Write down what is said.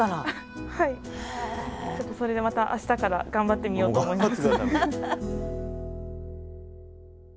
ちょっとそれでまた明日から頑張ってみようと思います。